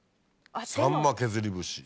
さんま削り節。